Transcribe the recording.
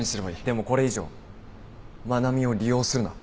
でもこれ以上愛菜美を利用するな。